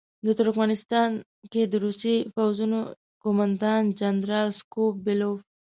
د ترکمنستان کې د روسي پوځونو قوماندان جنرال سکو بیلوف.